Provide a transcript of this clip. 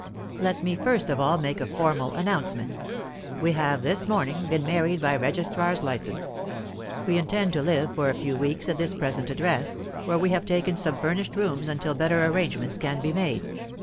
"Let me first of all make a formal announcement. We have this morning been married by registrar's licence. We intend to live for a few weeks at this present address, where we have taken some furnished rooms until better arrangements can be made.